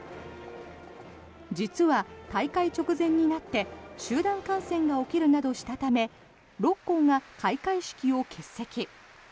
実は、開会直前になって集団感染が起きるなどしたため６校が開会式を欠席。